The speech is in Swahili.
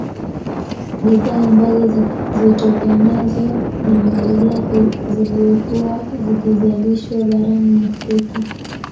Bidhaa ambazo zitokanazo na malighafi ziliyokuwa zikizalishwa barani Afrika